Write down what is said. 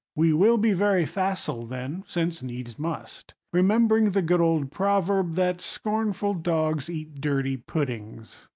We will be very facile, then, since needs must; remembering the good old proverb that "scornful dogs eat dirty puddings."